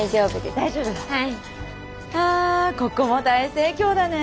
あここも大盛況だね。